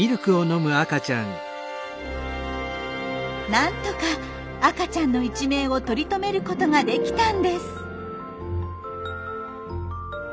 なんとか赤ちゃんの一命を取り留めることができたんです！